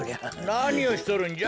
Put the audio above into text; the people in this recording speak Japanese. なにをしとるんじゃ？